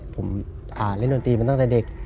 ผมเล่นดนตรีมาตั้งแต่เด็ก